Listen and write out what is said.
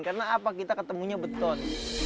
karena apa kita ketemunya beton